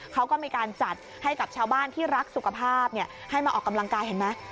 เขาก็มีการจัดให้กับชาวบ้านที่รักสุขภาพให้มาออกกำลังกายเห็นไหม